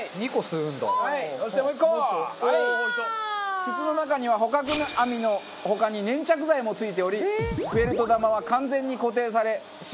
筒の中には捕獲網の他に粘着剤もついておりフェルト玉は完全に固定されしっかりとフタができます。